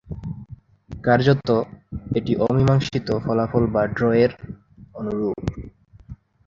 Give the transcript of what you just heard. কার্যতঃ এটি অমীমাংসিত ফলাফল বা ড্রয়ের অনুরূপ।